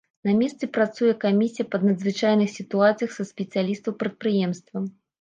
На месцы працуе камісія па надзвычайных сітуацыях са спецыялістаў прадпрыемства.